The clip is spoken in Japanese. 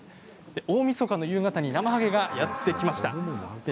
大みそかの夕方になまはげがやって来ました。